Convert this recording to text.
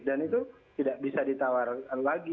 dan itu tidak bisa ditawarkan lagi